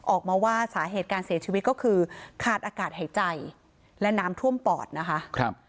ออกมาว่าสาเหตุการเสียชีวิตก็คือขาดอากาศหายใจและน้ำท่วมปอดนะคะครับ